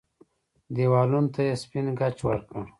دېوالونو ته يې سپين ګچ ورکړ.